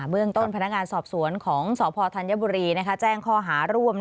เรื่องต้นพนักงานสอบสวนของสพธัญบุรีแจ้งข้อหาร่วม